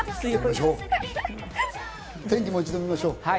天気をもう一度見ましょう。